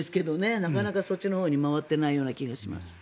なかなかそっちのほうに回ってないような気がします。